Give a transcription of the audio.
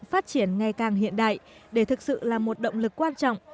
phát triển ngày càng hiện đại để thực sự là một động lực quan trọng